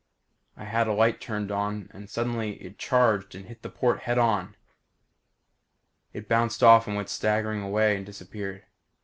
I had a light turned on it and suddenly it charged and hit the port headon. It bounced off and went staggering away and disappeared.